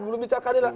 belum bicara keadilan